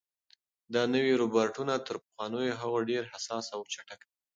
دا نوي روبوټونه تر پخوانیو هغو ډېر حساس او چټک دي.